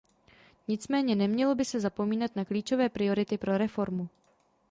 Nicméně nemělo by se zapomínat na klíčové priority pro reformu.